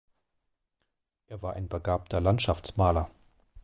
Er war ein begabter Landschaftsmaler.